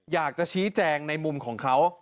อยากจะชี้แจงในมุมของเขา